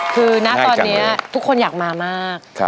คือณตอนนี้ทุกคนอยากมามาก